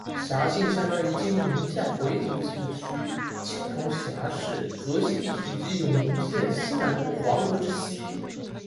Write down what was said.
辖境相当今宁夏回族自治区青铜峡市河西地区及永宁县西南部黄河之西。